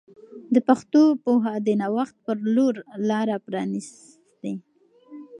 د پښتو پوهه د نوښت په لور لاره پرانیسي.